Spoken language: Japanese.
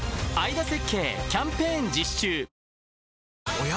おや？